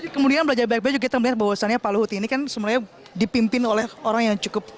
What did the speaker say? kemudian belajar baik baik juga kita melihat bahwasannya pak luhut ini kan sebenarnya dipimpin oleh orang yang cukup